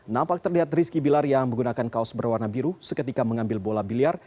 nampak terlihat rizky bilar yang menggunakan kaos berwarna biru seketika mengambil bola biliar